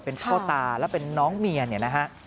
เป็นพ่อตาและเป็นน้องเมียเนี่ยนะฮะ